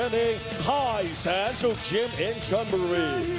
ร่วมกับความรู้สึกสุดท้ายของจิมเอ็มช่อนเบอร์รี่